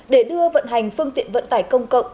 để đưa vận hành phương tiện vận tải công cộng